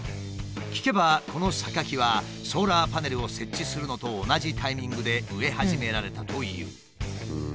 聞けばこのサカキはソーラーパネルを設置するのと同じタイミングで植え始められたという。